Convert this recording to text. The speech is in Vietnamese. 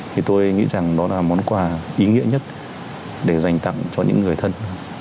thì tôi nghĩ rằng đó là món quà ý nghĩa nhất để dành tặng cho những người thân